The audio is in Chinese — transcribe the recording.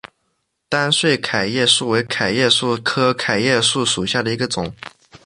单穗桤叶树为桤叶树科桤叶树属下的一个种。